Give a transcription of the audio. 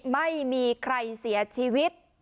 ไม่มีใครเสียชีวิต